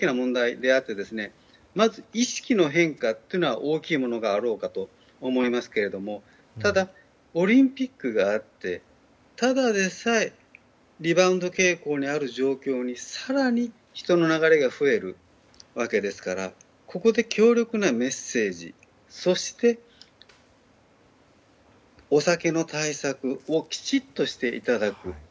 まず、意識の変化というのは大きいものがあろうかと思いますけどただ、オリンピックがあってただでさえリバウンド傾向にある状況に更に人の流れが増えるわけですからここで強力なメッセージそして、お酒の対策をきちっとしていただく。